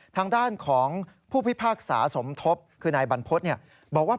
ทางด้านของผู้พิพากษาสมทบคือนายบรรพฤษบอกว่า